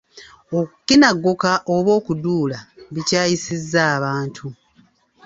Okukinagguka oba okuduula bikyayisizza abantu.